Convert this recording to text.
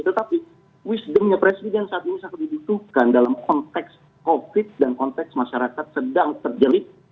tetapi wisdomnya presiden saat ini sangat dibutuhkan dalam konteks covid dan konteks masyarakat sedang terjelit